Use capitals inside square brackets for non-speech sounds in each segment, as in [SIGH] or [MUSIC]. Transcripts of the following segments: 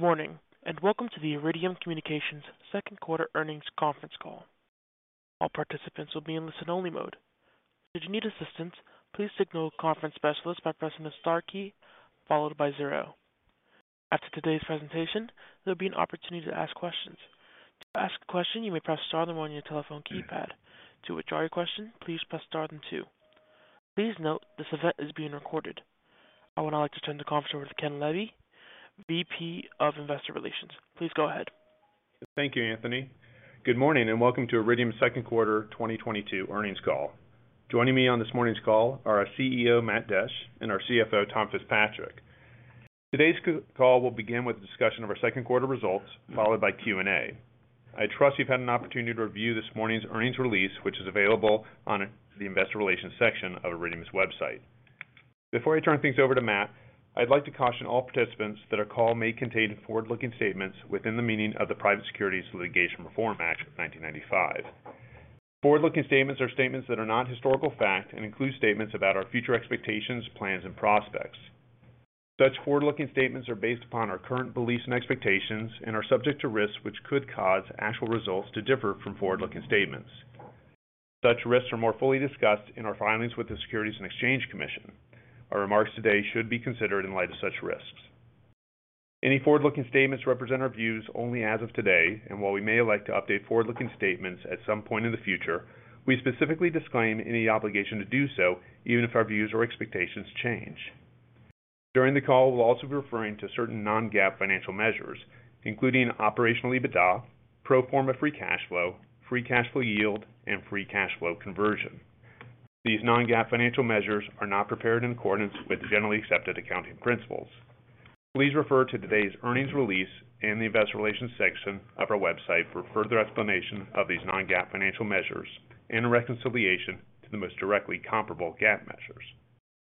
Good morning, and welcome to the Iridium Communications Second Quarter Earnings Conference Call. All participants will be in listen only mode. Should you need assistance, please signal a conference specialist by pressing the star key followed by zero. After today's presentation, there'll be an opportunity to ask questions. To ask a question, you may press star then one on your telephone keypad. To withdraw your question, please press star then two. Please note this event is being recorded. I would now like to turn the conference over to Kenneth Levy, VP of Investor Relations. Please go ahead. Thank you, Anthony. Good morning, and welcome to Iridium's Second Quarter 2022 Earnings Call. Joining me on this morning's call are our CEO, Matt Desch, and our CFO, Tom Fitzpatrick. Today's call will begin with a discussion of our second quarter results, followed by Q&A. I trust you've had an opportunity to review this morning's earnings release, which is available on the investor relations section of Iridium's website. Before I turn things over to Matt, I'd like to caution all participants that our call may contain forward-looking statements within the meaning of the Private Securities Litigation Reform Act of 1995. Forward-looking statements are statements that are not historical fact and include statements about our future expectations, plans, and prospects. Such forward-looking statements are based upon our current beliefs and expectations and are subject to risks which could cause actual results to differ from forward-looking statements. Such risks are more fully discussed in our filings with the Securities and Exchange Commission. Our remarks today should be considered in light of such risks. Any forward-looking statements represent our views only as of today, and while we may elect to update forward-looking statements at some point in the future, we specifically disclaim any obligation to do so even if our views or expectations change. During the call, we'll also be referring to certain non-GAAP financial measures, including Operational EBITDA, pro forma free cash flow, free cash flow yield, and free cash flow conversion. These non-GAAP financial measures are not prepared in accordance with generally accepted accounting principles. Please refer to today's earnings release in the investor relations section of our website for further explanation of these non-GAAP financial measures and a reconciliation to the most directly comparable GAAP measures.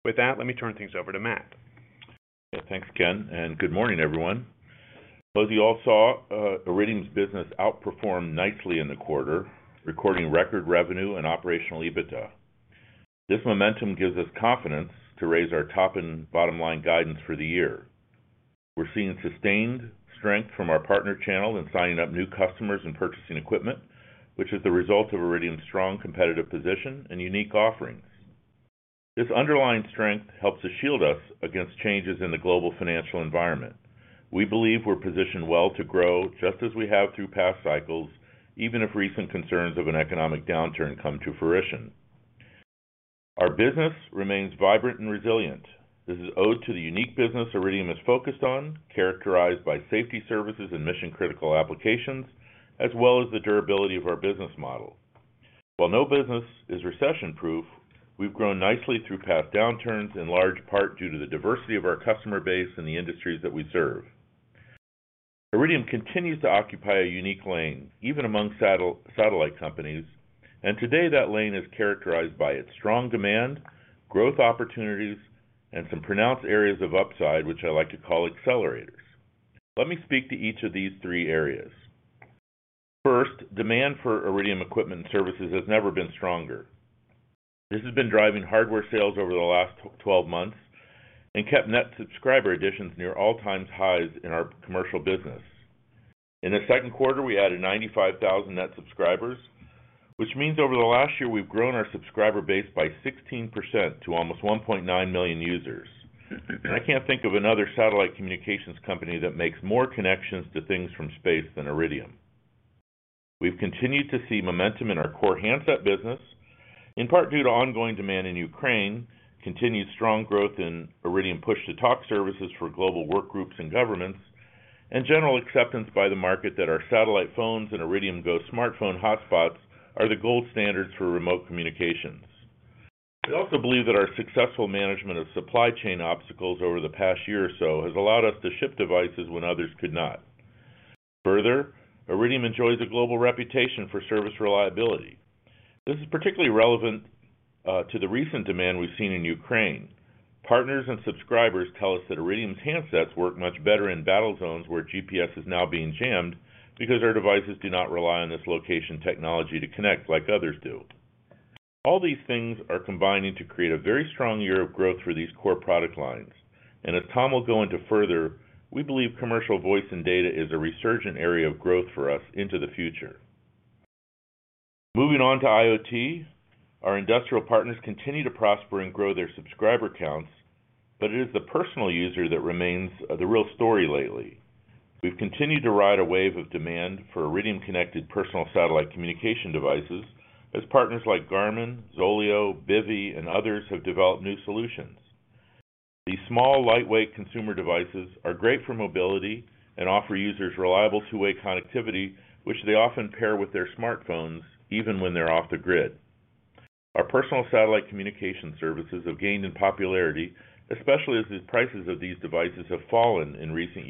With that, let me turn things over to Matt. Thanks, Ken, and good morning, everyone. As you all saw, Iridium's business outperformed nicely in the quarter, recording record revenue and Operational EBITDA. This momentum gives us confidence to raise our top and bottom line guidance for the year. We're seeing sustained strength from our partner channel in signing up new customers and purchasing equipment, which is the result of Iridium's strong competitive position and unique offerings. This underlying strength helps to shield us against changes in the global financial environment. We believe we're positioned well to grow just as we have through past cycles, even if recent concerns of an economic downturn come to fruition. Our business remains vibrant and resilient. This is owed to the unique business Iridium is focused on, characterized by safety services and mission-critical applications, as well as the durability of our business model. While no business is recession-proof, we've grown nicely through past downturns, in large part due to the diversity of our customer base and the industries that we serve. Iridium continues to occupy a unique lane, even among satellite companies, and today that lane is characterized by its strong demand, growth opportunities, and some pronounced areas of upside, which I like to call accelerators. Let me speak to each of these three areas. First, demand for Iridium equipment services has never been stronger. This has been driving hardware sales over the last 12 months and kept net subscriber additions near all-time highs in our commercial business. In the second quarter, we added 95,000 net subscribers, which means over the last year, we've grown our subscriber base by 16% to almost 1.9 million users. I can't think of another satellite communications company that makes more connections to things from space than Iridium. We've continued to see momentum in our core handset business, in part due to ongoing demand in Ukraine, continued strong growth in Iridium Push-to-Talk services for global work groups and governments, and general acceptance by the market that our satellite phones and Iridium GO! smartphone hotspots are the gold standard for remote communications. We also believe that our successful management of supply chain obstacles over the past year or so has allowed us to ship devices when others could not. Further, Iridium enjoys a global reputation for service reliability. This is particularly relevant to the recent demand we've seen in Ukraine. Partners and subscribers tell us that Iridium's handsets work much better in battle zones where GPS is now being jammed because our devices do not rely on this location technology to connect like others do. All these things are combining to create a very strong year of growth for these core product lines. As Tom will go into further, we believe commercial voice and data is a resurgent area of growth for us into the future. Moving on to IoT, our industrial partners continue to prosper and grow their subscriber counts, but it is the personal user that remains the real story lately. We've continued to ride a wave of demand for Iridium-connected personal satellite communication devices as partners like Garmin, ZOLEO, Bivy, and others have developed new solutions. These small, lightweight consumer devices are great for mobility and offer users reliable two-way connectivity, which they often pair with their smartphones even when they're off the grid. Our personal satellite communication services have gained in popularity, especially as the prices of these devices have fallen in recent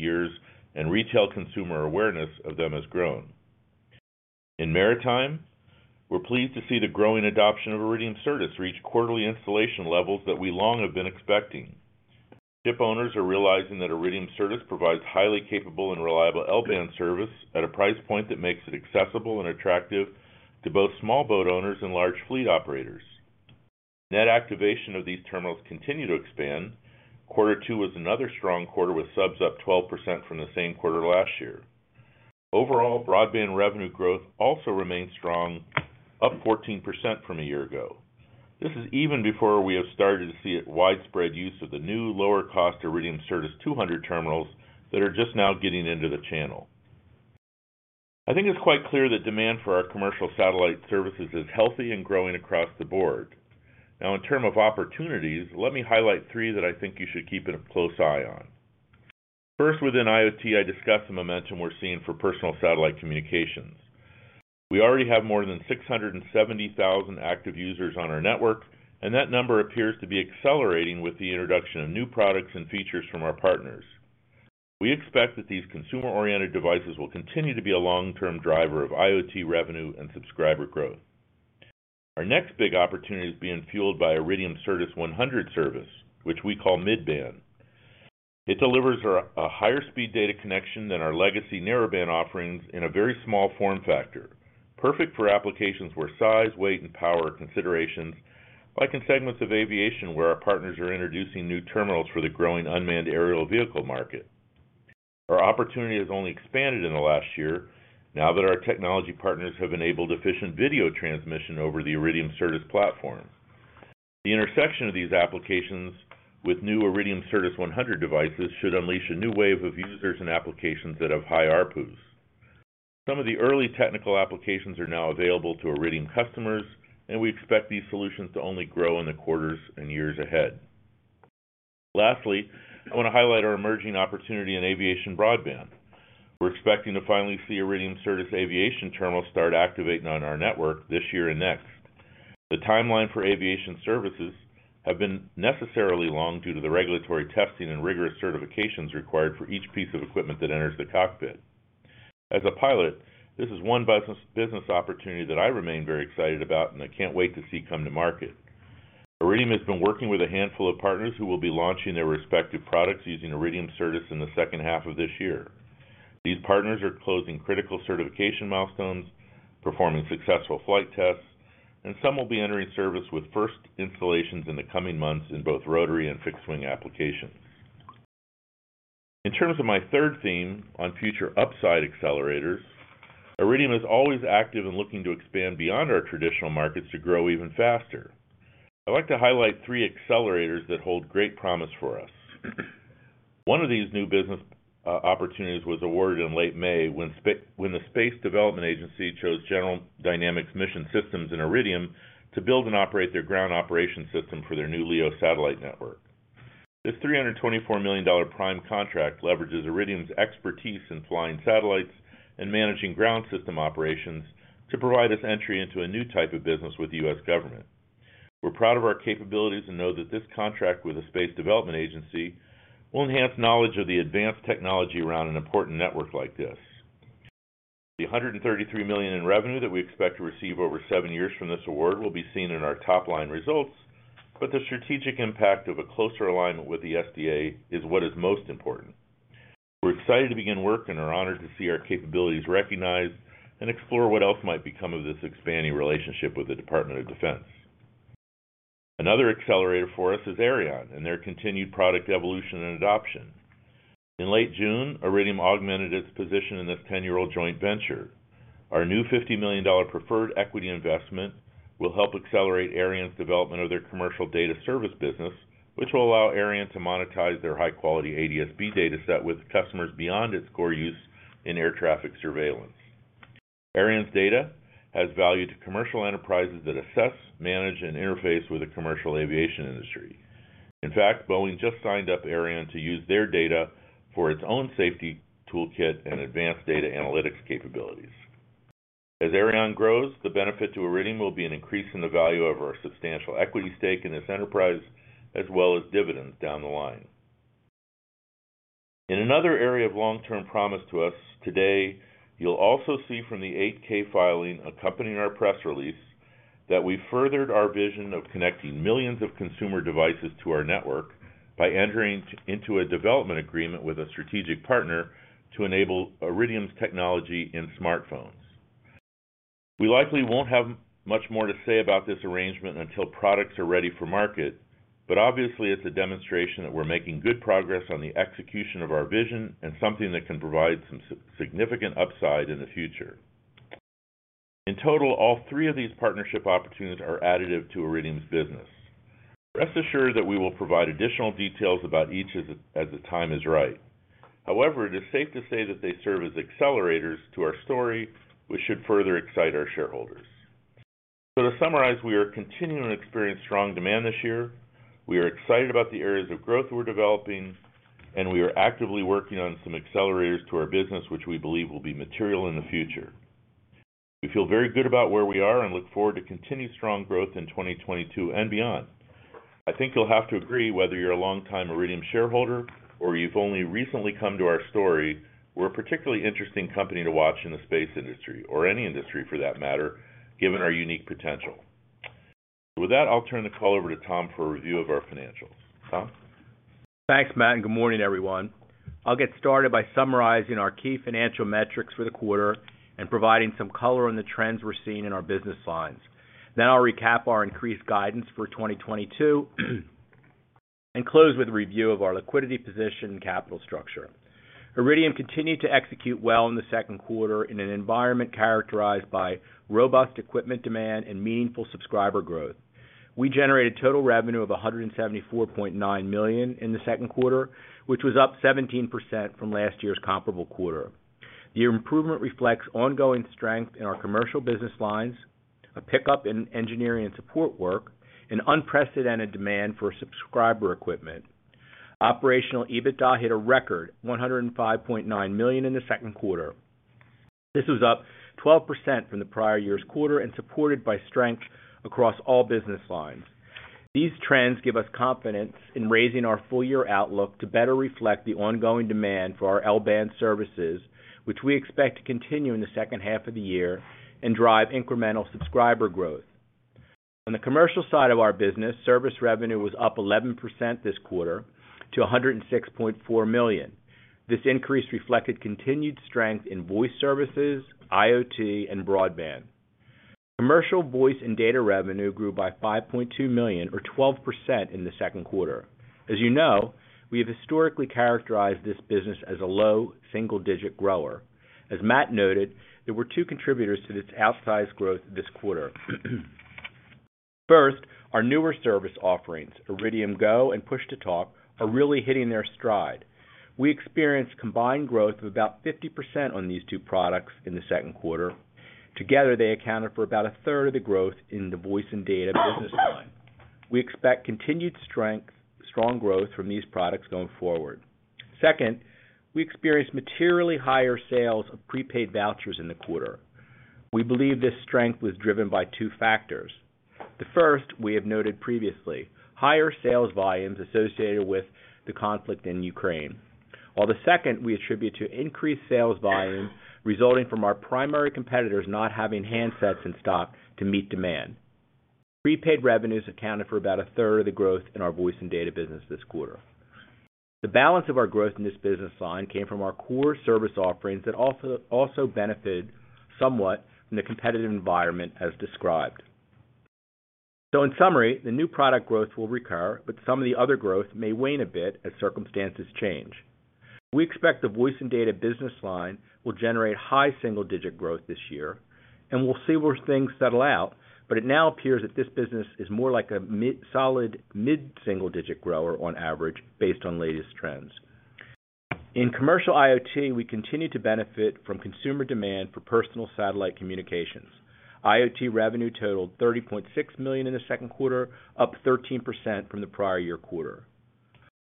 years and retail consumer awareness of them has grown. In maritime, we're pleased to see the growing adoption of Iridium Certus reach quarterly installation levels that we long have been expecting. Ship owners are realizing that Iridium Certus provides highly capable and reliable L-band service at a price point that makes it accessible and attractive to both small boat owners and large fleet operators. Net activation of these terminals continue to expand. Quarter two was another strong quarter, with subs up 12% from the same quarter last year. Overall, Broadband revenue growth also remains strong, up 14% from a year ago. This is even before we have started to see a widespread use of the new lower cost Iridium Certus 200 terminals that are just now getting into the channel. I think it's quite clear that demand for our commercial satellite services is healthy and growing across the board. Now in terms of opportunities, let me highlight three that I think you should keep a close eye on. First, within IoT, I discussed the momentum we're seeing for personal satellite communications. We already have more than 670,000 active users on our network, and that number appears to be accelerating with the introduction of new products and features from our partners. We expect that these consumer-oriented devices will continue to be a long-term driver of IoT revenue and subscriber growth. Our next big opportunity is being fueled by Iridium Certus 100 service, which we call mid-band. It delivers a higher speed data connection than our legacy narrowband offerings in a very small form factor, perfect for applications where size, weight, and power are considerations, like in segments of aviation, where our partners are introducing new terminals for the growing unmanned aerial vehicle market. Our opportunity has only expanded in the last year now that our technology partners have enabled efficient video transmission over the Iridium Certus platform. The intersection of these applications with new Iridium Certus 100 devices should unleash a new wave of users and applications that have high ARPU. Some of the early technical applications are now available to Iridium customers, and we expect these solutions to only grow in the quarters and years ahead. Lastly, I want to highlight our emerging opportunity in aviation Broadband. We're expecting to finally see Iridium Certus aviation terminals start activating on our network this year and next. The timeline for aviation services have been necessarily long due to the regulatory testing and rigorous certifications required for each piece of equipment that enters the cockpit. As a pilot, this is one business opportunity that I remain very excited about and I can't wait to see come to market. Iridium has been working with a handful of partners who will be launching their respective products using Iridium Certus in the second half of this year. These partners are closing critical certification milestones, performing successful flight tests, and some will be entering service with first installations in the coming months in both rotary and fixed-wing applications. In terms of my third theme on future upside accelerators, Iridium is always active in looking to expand beyond our traditional markets to grow even faster. I'd like to highlight three accelerators that hold great promise for us. One of these new business opportunities was awarded in late May when the Space Development Agency chose General Dynamics Mission Systems and Iridium to build and operate their ground operation system for their new LEO satellite network. This $324 million prime contract leverages Iridium's expertise in flying satellites and managing ground system operations to provide us entry into a new type of business with the U.S. government. We're proud of our capabilities and know that this contract with the Space Development Agency will enhance knowledge of the advanced technology around an important network like this. The $133 million in revenue that we expect to receive over seven years from this award will be seen in our top-line results, but the strategic impact of a closer alignment with the SDA is what is most important. We're excited to begin work and are honored to see our capabilities recognized and explore what else might become of this expanding relationship with the Department of Defense. Another accelerator for us is Aireon and their continued product evolution and adoption. In late June, Iridium augmented its position in this ten-year-old joint venture. Our new $50 million preferred equity investment will help accelerate Aireon's development of their commercial data service business, which will allow Aireon to monetize their high-quality ADS-B data set with customers beyond its core use in air traffic surveillance. Aireon's data has value to commercial enterprises that assess, manage, and interface with the commercial aviation industry. In fact, Boeing just signed up Aireon to use their data for its own safety toolkit and advanced data analytics capabilities. As Aireon grows, the benefit to Iridium will be an increase in the value of our substantial equity stake in this enterprise, as well as dividends down the line. In another area of long-term promise to us today, you'll also see from the 8-K filing accompanying our press release that we furthered our vision of connecting millions of consumer devices to our network by entering into a development agreement with a strategic partner to enable Iridium's technology in smartphones. We likely won't have much more to say about this arrangement until products are ready for market, but obviously it's a demonstration that we're making good progress on the execution of our vision and something that can provide some significant upside in the future. In total, all three of these partnership opportunities are additive to Iridium's business. Rest assured that we will provide additional details about each as the time is right. However, it is safe to say that they serve as accelerators to our story, which should further excite our shareholders. To summarize, we are continuing to experience strong demand this year. We are excited about the areas of growth we're developing, and we are actively working on some accelerators to our business, which we believe will be material in the future. We feel very good about where we are and look forward to continued strong growth in 2022 and beyond. I think you'll have to agree, whether you're a long-time Iridium shareholder or you've only recently come to our story, we're a particularly interesting company to watch in the space industry or any industry for that matter, given our unique potential. With that, I'll turn the call over to Tom for a review of our financials. Tom? Thanks, Matt, and good morning, everyone. I'll get started by summarizing our key financial metrics for the quarter and providing some color on the trends we're seeing in our business lines. I'll recap our increased guidance for 2022 and close with a review of our liquidity position and capital structure. Iridium continued to execute well in the second quarter in an environment characterized by robust equipment demand and meaningful subscriber growth. We generated total revenue of $174.9 million in the second quarter, which was up 17% from last year's comparable quarter. The improvement reflects ongoing strength in our commercial business lines, a pickup in engineering and support work, and unprecedented demand for subscriber equipment. Operational EBITDA hit a record $105.9 million in the second quarter. This was up 12% from the prior year's quarter and supported by strength across all business lines. These trends give us confidence in raising our full-year outlook to better reflect the ongoing demand for our L-band services, which we expect to continue in the second half of the year and drive incremental subscriber growth. On the commercial side of our business, service revenue was up 11% this quarter to $106.4 million. This increase reflected continued strength in voice services, IoT, and Broadband. Commercial voice and data revenue grew by $5.2 million or 12% in the second quarter. As you know, we have historically characterized this business as a low, single-digit grower. As Matt noted, there were two contributors to this outsized growth this quarter. First, our newer service offerings, Iridium GO! and Push-to-Talk, are really hitting their stride. We experienced combined growth of about 50% on these two products in the second quarter. Together, they accounted for about 1/3 of the growth in the voice and data business line. We expect continued strength, strong growth from these products going forward. Second, we experienced materially higher sales of prepaid vouchers in the quarter. We believe this strength was driven by two factors. The first we have noted previously, higher sales volumes associated with the conflict in Ukraine, while the second we attribute to increased sales volume resulting from our primary competitors not having handsets in stock to meet demand. Prepaid revenues accounted for about 1/3 of the growth in our voice and data business this quarter. The balance of our growth in this business line came from our core service offerings that also benefited somewhat from the competitive environment as described. In summary, the new product growth will recur, but some of the other growth may wane a bit as circumstances change. We expect the voice and data business line will generate high single-digit growth this year, and we'll see where things settle out, but it now appears that this business is more like a solid mid-single digit grower on average based on latest trends. In commercial IoT, we continue to benefit from consumer demand for personal satellite communications. IoT revenue totaled $30.6 million in the second quarter, up 13% from the prior year quarter.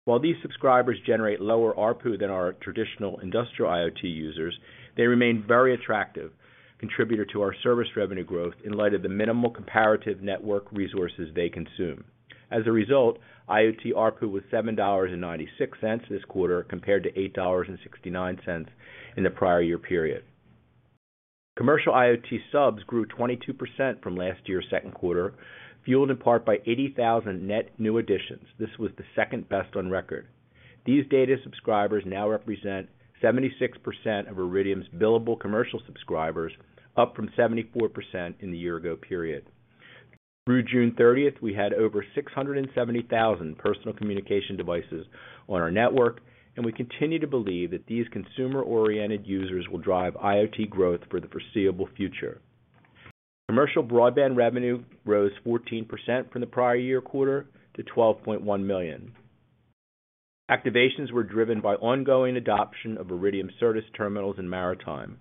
While these subscribers generate lower ARPU than our traditional industrial IoT users, they remain very attractive contributor to our service revenue growth in light of the minimal comparative network resources they consume. As a result, IoT ARPU was $7.96 this quarter compared to $8.69 in the prior year period. Commercial IoT subs grew 22% from last year's second quarter, fueled in part by 80,000 net new additions. This was the second-best on record. These data subscribers now represent 76% of Iridium's billable commercial subscribers, up from 74% in the year ago period. Through June 30th, we had over 670,000 personal communication devices on our network, and we continue to believe that these consumer-oriented users will drive IoT growth for the foreseeable future. Commercial Broadband revenue rose 14% from the prior year quarter to $12.1 million. Activations were driven by ongoing adoption of Iridium Certus terminals in maritime.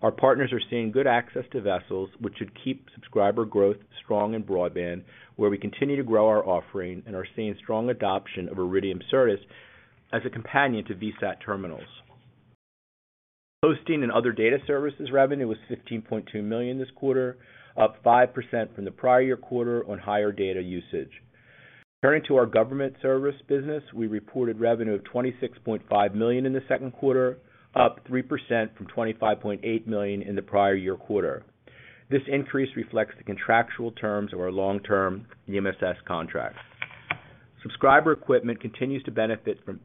Our partners are seeing good access to vessels, which should keep subscriber growth strong in Broadband, where we continue to grow our offering and are seeing strong adoption of Iridium Certus as a companion to VSAT terminals. Hosting and other data services revenue was $15.2 million this quarter, up 5% from the prior year quarter on higher data usage. Turning to our government service business, we reported revenue of $26.5 million in the second quarter, up 3% from $25.8 million in the prior year quarter. This increase reflects the contractual terms of our long-term EMSS contract. Subscriber equipment continues to benefit from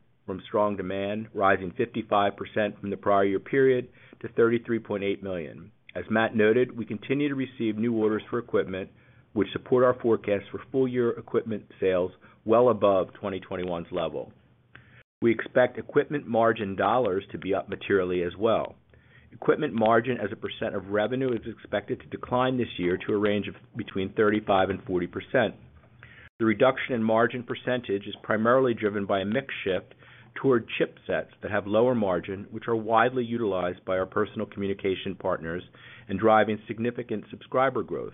strong demand, rising 55% from the prior year period to $33.8 million. As Matt noted, we continue to receive new orders for equipment which support our forecast for full-year equipment sales well above 2021's level. We expect equipment margin dollars to be up materially as well. Equipment margin as a percent of revenue is expected to decline this year to a range of between 35% and 40%. The reduction in margin percentage is primarily driven by a mix shift toward chipsets that have lower margin, which are widely utilized by our personal communication partners and driving significant subscriber growth.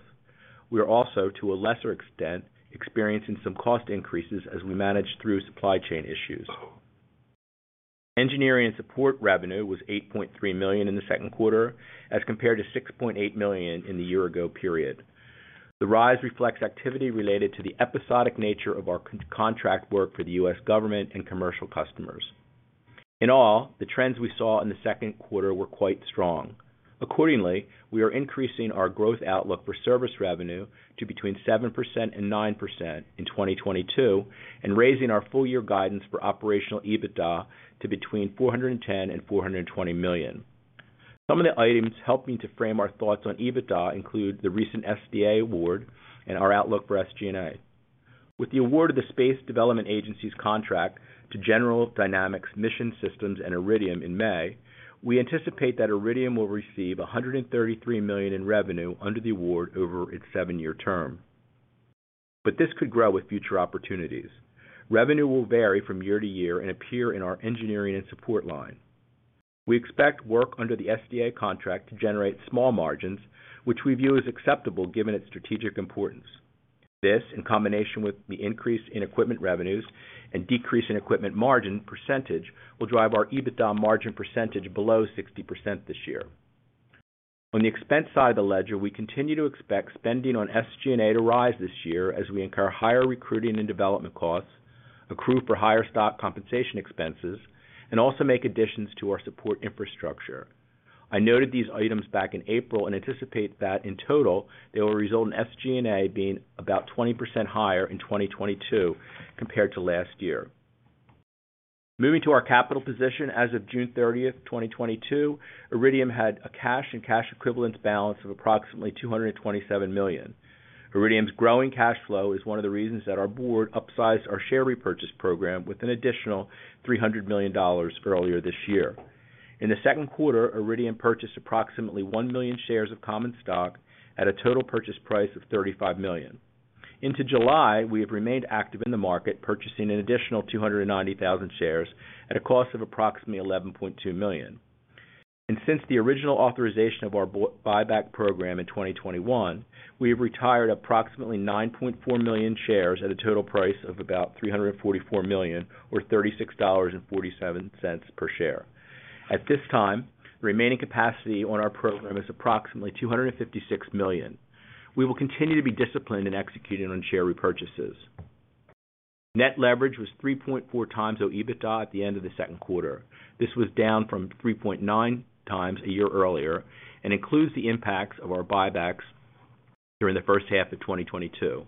We are also, to a lesser extent, experiencing some cost increases as we manage through supply chain issues. Engineering and support revenue was $8.3 million in the second quarter as compared to $6.8 million in the year-ago period. The rise reflects activity related to the episodic nature of our contract work for the U.S. government and commercial customers. In all, the trends we saw in the second quarter were quite strong. Accordingly, we are increasing our growth outlook for service revenue to between 7% and 9% in 2022 and raising our full-year guidance for operational EBITDA to between $410 million and $420 million. Some of the items helping to frame our thoughts on EBITDA include the recent SDA award and our outlook for SG&A. With the award of the Space Development Agency's contract to General Dynamics Mission Systems and Iridium in May, we anticipate that Iridium will receive $133 million in revenue under the award over its seven-year term. This could grow with future opportunities. Revenue will vary from year to year and appear in our engineering and support line. We expect work under the SDA contract to generate small margins, which we view as acceptable given its strategic importance. This, in combination with the increase in equipment revenues and decrease in equipment margin percentage, will drive our EBITDA margin percentage below 60% this year. On the expense side of the ledger, we continue to expect spending on SG&A to rise this year as we incur higher recruiting and development costs, accrue for higher stock compensation expenses, and also make additions to our support infrastructure. I noted these items back in April and anticipate that, in total, they will result in SG&A being about 20% higher in 2022 compared to last year. Moving to our capital position, as of June 30, 2022, Iridium had a cash and cash equivalents balance of approximately $227 million. Iridium's growing cash flow is one of the reasons that our board upsized our share repurchase program with an additional $300 million earlier this year. In the second quarter, Iridium purchased approximately 1 million shares of common stock at a total purchase price of $35 million. Into July, we have remained active in the market, purchasing an additional 290,000 shares at a cost of approximately $11.2 million. Since the original authorization of our buyback program in 2021, we have retired approximately 9.4 million shares at a total price of about $344 million or $36.47 per share. At this time, the remaining capacity on our program is approximately $256 million. We will continue to be disciplined in executing on share repurchases. Net leverage was 3.4x our EBITDA at the end of the second quarter. This was down from 3.9x a year earlier and includes the impacts of our buybacks during the first half of 2022.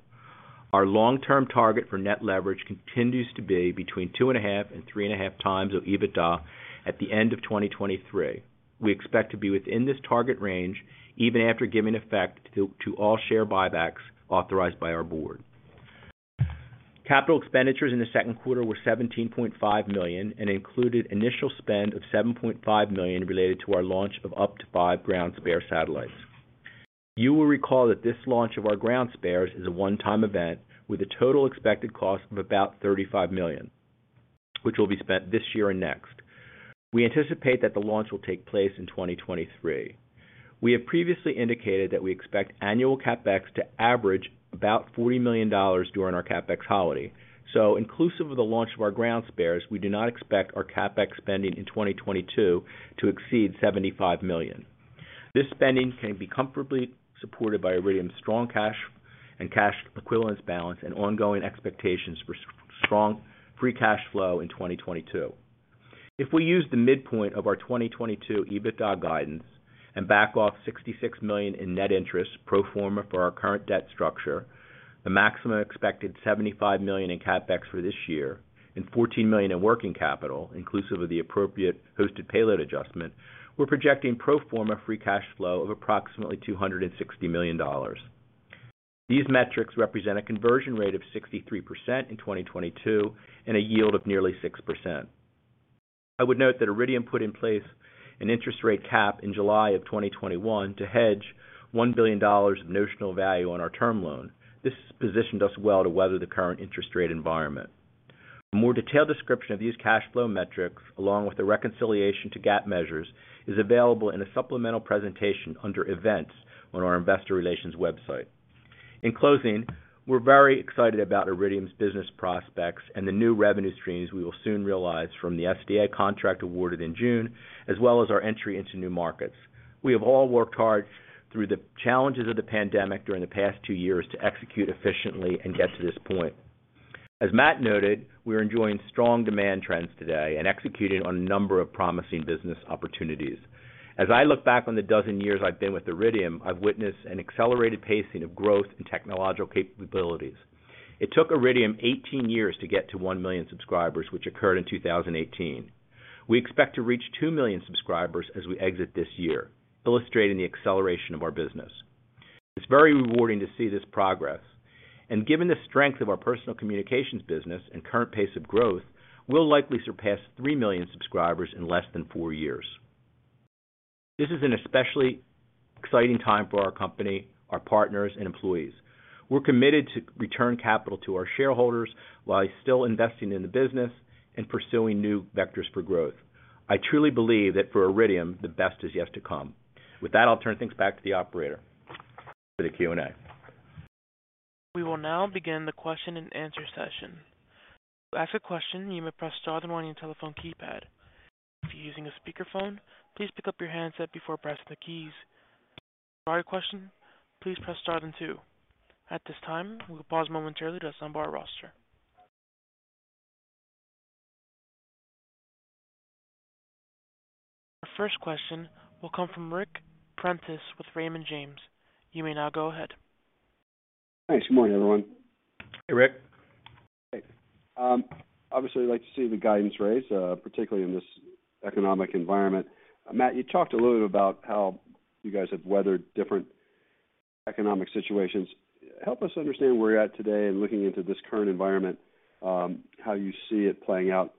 Our long-term target for net leverage continues to be between 2.5x and 3.5x our EBITDA at the end of 2023. We expect to be within this target range even after giving effect to all share buybacks authorized by our board. Capital expenditures in the second quarter were $17.5 million and included initial spend of $7.5 million related to our launch of up to five ground spare satellites. You will recall that this launch of our ground spares is a one-time event with a total expected cost of about $35 million, which will be spent this year and next. We anticipate that the launch will take place in 2023. We have previously indicated that we expect annual CapEx to average about $40 million during our CapEx holiday. Inclusive of the launch of our ground spares, we do not expect our CapEx spending in 2022 to exceed $75 million. This spending can be comfortably supported by Iridium's strong cash and cash equivalents balance and ongoing expectations for strong free cash flow in 2022. If we use the midpoint of our 2022 EBITDA guidance and back off $66 million in net interest pro forma for our current debt structure, the maximum expected $75 million in CapEx for this year and $14 million in working capital, inclusive of the appropriate hosted payload adjustment, we're projecting pro forma free cash flow of approximately $260 million. These metrics represent a conversion rate of 63% in 2022 and a yield of nearly 6%. I would note that Iridium put in place an interest rate cap in July 2021 to hedge $1 billion of notional value on our term loan. This positioned us well to weather the current interest rate environment. A more detailed description of these cash flow metrics, along with the reconciliation to GAAP measures, is available in a supplemental presentation under Events on our investor relations website. In closing, we're very excited about Iridium's business prospects and the new revenue streams we will soon realize from the SDA contract awarded in June, as well as our entry into new markets. We have all worked hard through the challenges of the pandemic during the past two years to execute efficiently and get to this point. As Matt noted, we are enjoying strong demand trends today and executing on a number of promising business opportunities. As I look back on the 12 years I've been with Iridium, I've witnessed an accelerated pacing of growth and technological capabilities. It took Iridium 18 years to get to one million subscribers, which occurred in 2018. We expect to reach two million subscribers as we exit this year, illustrating the acceleration of our business. It's very rewarding to see this progress. Given the strength of our personal communications business and current pace of growth, we'll likely surpass three million subscribers in less than four years. This is an especially exciting time for our company, our partners, and employees. We're committed to return capital to our shareholders while still investing in the business and pursuing new vectors for growth. I truly believe that for Iridium, the best is yet to come. With that, I'll turn things back to the operator for the Q&A. We will now begin the question and answer session. To ask a question, you may press star, then one on your telephone keypad. If you're using a speakerphone, please pick up your handset before pressing the keys. For our question, please press star, then two. At this time, we will pause momentarily to assemble our roster. Our first question will come from Ric Prentiss with Raymond James. You may now go ahead. Thanks. Good morning, everyone. Hey, Ric. Hey. Obviously, I'd like to see the guidance raise, particularly in this economic environment. Matt, you talked a little bit about how you guys have weathered different economic situations. Help us understand where you're at today and looking into this current environment, how you see it playing out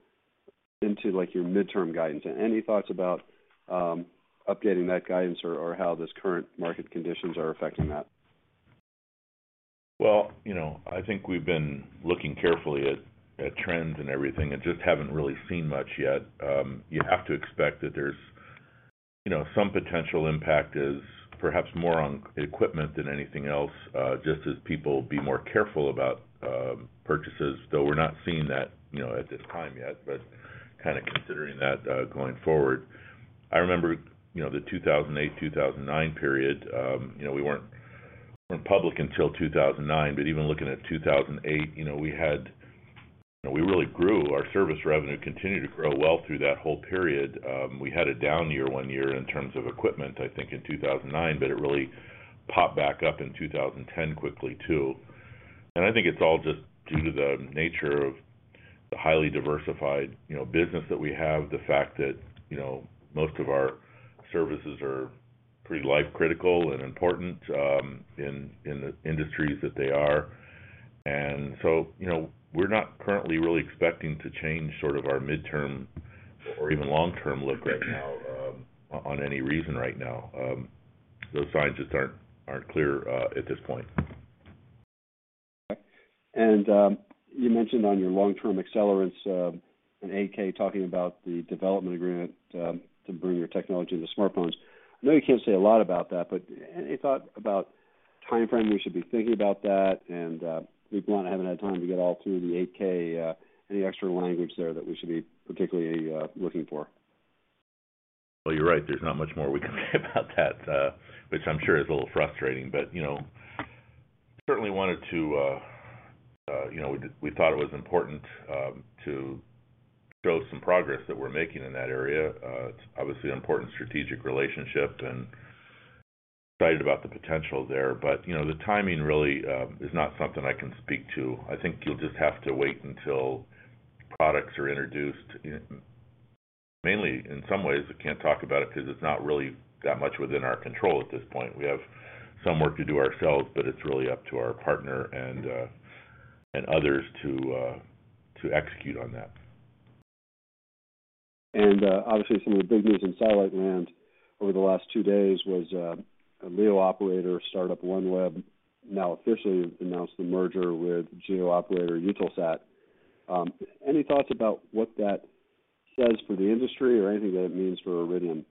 into, like, your midterm guidance. Any thoughts about updating that guidance or how this current market conditions are affecting that? Well, you know, I think we've been looking carefully at trends and everything, and just haven't really seen much yet. You have to expect that there's, you know, some potential impact perhaps more on equipment than anything else, just as people will be more careful about purchases, though we're not seeing that, you know, at this time yet, but kinda considering that going forward. I remember, you know, the 2008, 2009 period, you know, we weren't public until 2009, but even looking at 2008, you know, we had- we really grew. Our service revenue continued to grow well through that whole period. We had a down year one year in terms of equipment, I think, in 2009, but it really popped back up in 2010 quickly too. I think it's all just due to the nature of the highly diversified, you know, business that we have, the fact that, you know, most of our services are pretty life critical and important, in the industries that they are. You know, we're not currently really expecting to change sort of our midterm or even long-term look right now, on any reason right now. Those signs just aren't clear at this point. You mentioned on your long-term accelerants, in 8-K talking about the development agreement, to bring your technology to the smartphones. I know you can't say a lot about that, but any thought about timeframe we should be thinking about that, and people who haven't had time to get all through the 8-K, any extra language there that we should be particularly looking for? Well, you're right. There's not much more we can say about that, which I'm sure is a little frustrating. You know, certainly wanted to, you know, we thought it was important to show some progress that we're making in that area. It's obviously an important strategic relationship, and excited about the potential there. You know, the timing really is not something I can speak to. I think you'll just have to wait until products are introduced. Mainly, in some ways, we can't talk about it 'cause it's not really that much within our control at this point. We have some work to do ourselves, but it's really up to our partner and others to execute on that. Obviously, some of the big news in satellite land over the last two days was a LEO operator, a startup OneWeb, now officially announced the merger with GEO operator Eutelsat. Any thoughts about what that says for the industry or anything that it means for Iridium?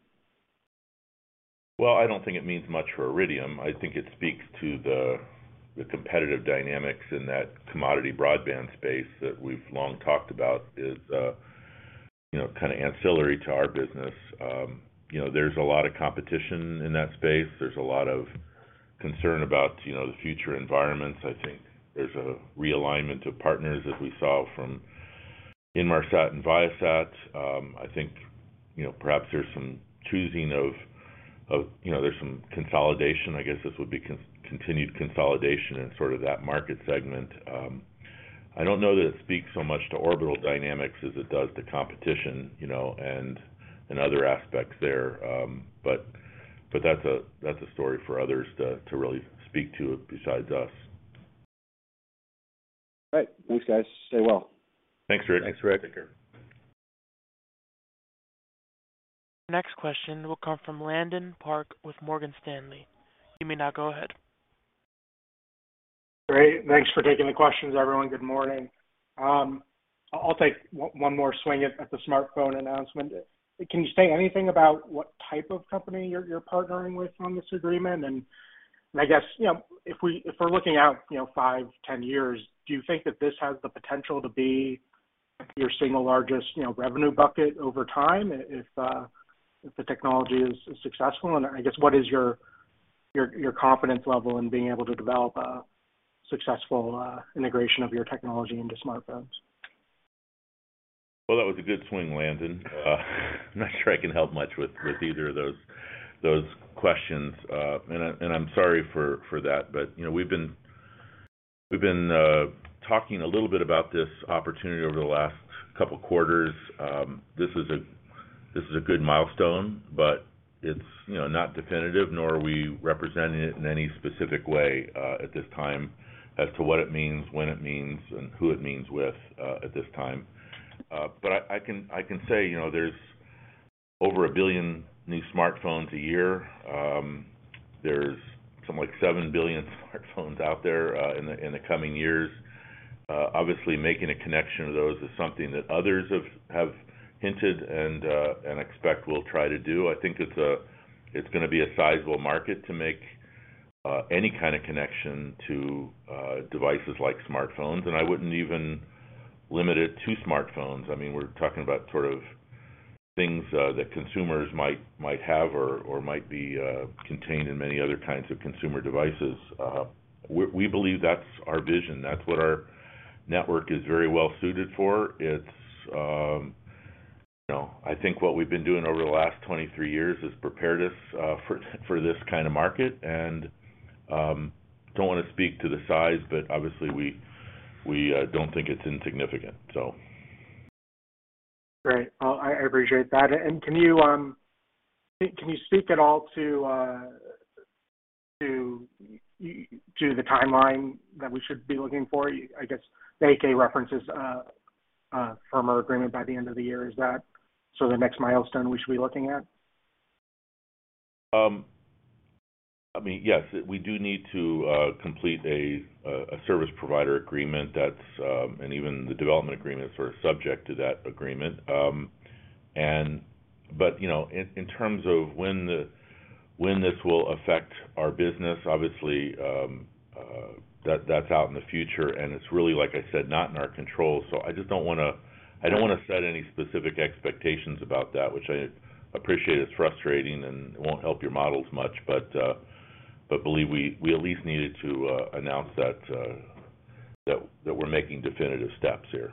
Well, I don't think it means much for Iridium. I think it speaks to the competitive dynamics in that commodity Broadband space that we've long talked about is kind of ancillary to our business. You know, there's a lot of competition in that space. There's a lot of concern about you know, the future environments. I think there's a realignment of partners that we saw from Inmarsat and Viasat. I think you know, perhaps there's some choosing of you know, there's some consolidation. I guess this would be continued consolidation in sort of that market segment. I don't know that it speaks so much to orbital dynamics as it does to competition you know, and other aspects there. But that's a story for others to really speak to besides us. All right. Thanks, guys. Stay well. Thanks, Ric. Thanks, Ric. Take care. Next question will come from Landon Park with Morgan Stanley. You may now go ahead. Great. Thanks for taking the questions, everyone. Good morning. I'll take one more swing at the smartphone announcement. Can you say anything about what type of company you're partnering with on this agreement? I guess, you know, if we're looking out, you know, five, 10 years, do you think that this has the potential to be your single largest, you know, revenue bucket over time if the technology is successful? I guess, what is your confidence level in being able to develop a successful integration of your technology into smartphones? Well, that was a good swing, Landon. I'm not sure I can help much with either of those questions. I'm sorry for that. You know, we've been talking a little bit about this opportunity over the last couple quarters. This is a good milestone, but it's, you know, not definitive, nor are we representing it in any specific way, at this time as to what it means, when it means, and who it means with, at this time. I can say, you know, there's over one billion new smartphones a year. There's something like seven billion smartphones out there, in the coming years. Obviously, making a connection to those is something that others have hinted and expect we'll try to do. I think it's gonna be a sizable market to make any kind of connection to devices like smartphones. I wouldn't even limit it to smartphones. I mean, we're talking about sort of things that consumers might have or might be contained in many other kinds of consumer devices. We believe that's our vision, that's what our network is very well suited for. It's, you know, I think what we've been doing over the last 23 years has prepared us for this kind of market. Don't wanna speak to the size, but obviously we don't think it's insignificant, so. Great. I appreciate that. Can you speak at all to the timeline that we should be looking for? I guess the 8-K reference is a firmer agreement by the end of the year. Is that sort of the next milestone we should be looking at? I mean, yes, we do need to complete a service provider agreement that's, and even the development agreements are subject to that agreement. You know, in terms of when this will affect our business, obviously, that's out in the future, and it's really, like I said, not in our control, so I just don't wanna- I don't wanna set any specific expectations about that, which I appreciate it's frustrating and won't help your models much, but believe we at least needed to announce that we're making definitive steps here.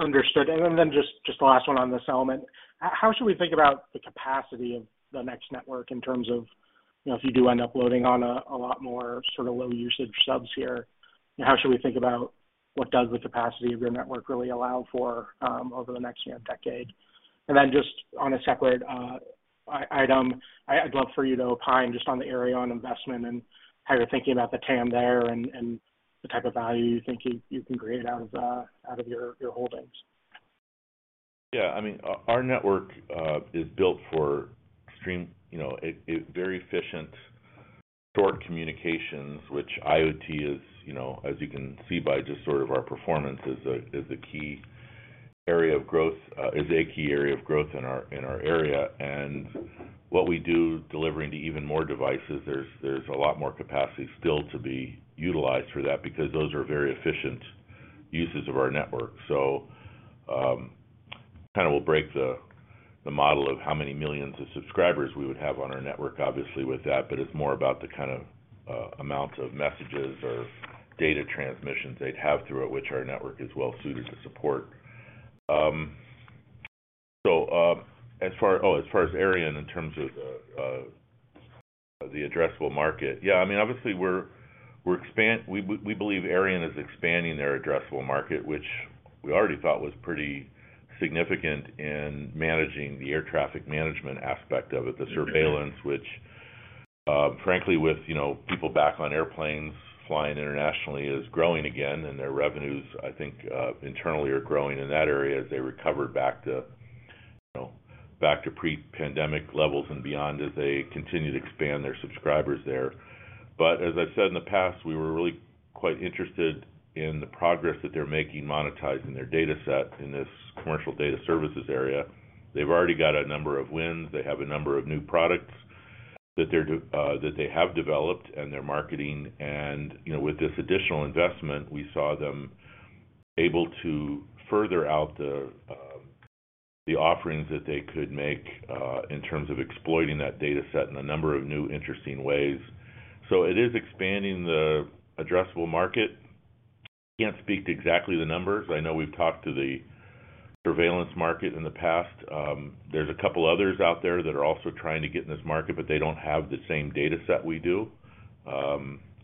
Understood. Then just the last one on this element. How should we think about the capacity of the next network in terms of, you know, if you do end up loading on a lot more sort of low usage subs here, how should we think about what does the capacity of your network really allow for over the next, you know, decade? Then just on a separate item, I'd love for you to opine just on the Aireon investment and how you're thinking about the TAM there and the type of value you think you can create out of your holdings. Yeah. I mean, our network is built for extreme, you know, it very efficient short communications, which IoT is, you know, as you can see by just sort of our performance, is a key area of growth in our area. What we do delivering to even more devices, there's a lot more capacity still to be utilized for that because those are very efficient uses of our network. Kinda will break the model of how many millions of subscribers we would have on our network, obviously with that, but it's more about the kind of amount of messages or data transmissions they'd have through it, which our network is well suited to support. As far as Aireon in terms of the addressable market- yeah, I mean, obviously, we believe Aireon is expanding their addressable market, which we already thought was pretty significant in managing the air traffic management aspect of it. The surveillance, which, frankly, with, you know, people back on airplanes flying internationally is growing again, and their revenues, I think, internally are growing in that area as they recover back to pre-pandemic levels and beyond as they continue to expand their subscribers there. But as I've said in the past, we were really quite interested in the progress that they're making monetizing their data set in this commercial data services area. They've already got a number of wins. They have a number of new products that they have developed and they're marketing. You know, with this additional investment, we saw them able to further out the offerings that they could make in terms of exploiting that data set in a number of new, interesting ways. It is expanding the addressable market. I can't speak to exactly the numbers. I know we've talked to the surveillance market in the past. There's a couple others out there that are also trying to get in this market, but they don't have the same data set we do.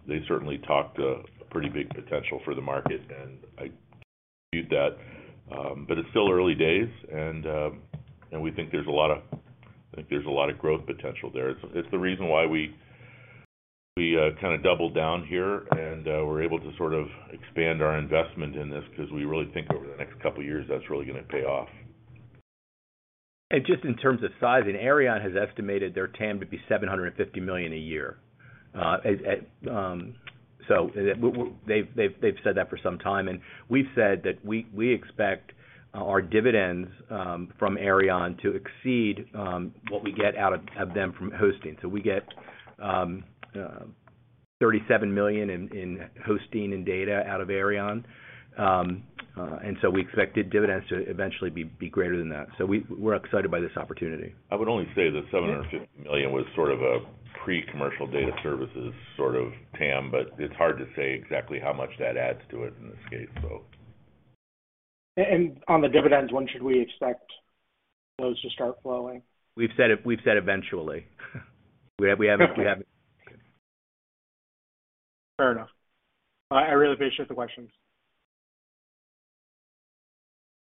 They certainly talk to pretty big potential for the market, and I agree with that. It's still early days and we think there's a lot of growth potential there. It's the reason why we kinda doubled down here and we're able to sort of expand our investment in this because we really think over the next couple of years, that's really gonna pay off. Just in terms of size, Aireon has estimated their TAM to be $750 million a year. They've said that for some time, and we've said that we expect our dividends from Aireon to exceed what we get out of them from hosting. We get $37 million in hosting and data out of Aireon. We expected dividends to eventually be greater than that. We're excited by this opportunity. I would only say the $750 million was sort of a pre-commercial data services sort of TAM, but it's hard to say exactly how much that adds to it in this case, so. On the dividends, when should we expect those to start flowing? We've said eventually. We have [AUDIO DISTORTION] Fair enough. I really appreciate the questions.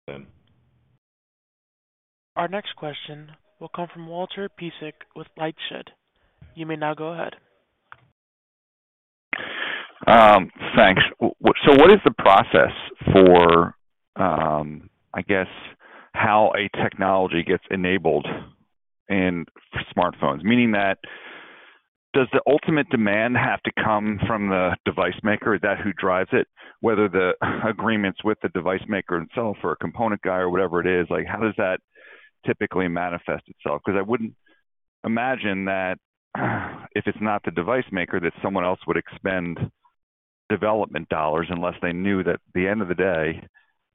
Yeah. Our next question will come from Walter Piecyk with LightShed. You may now go ahead. Thanks. So what is the process for, I guess, how a technology gets enabled in smartphones? Meaning that does the ultimate demand have to come from the device maker? Is that who drives it? Whether the agreement's with the device maker itself or a component guy or whatever it is, like, how does that typically manifest itself? Because I wouldn't imagine that if it's not the device maker, that someone else would expend development dollars, unless they knew that at the end of the day